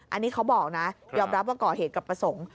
อันนี้เขาบอกนะยอมรับว่าก่อเหตุกับประสงค์